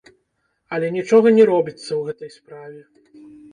Але нічога не робіцца ў гэтай справе.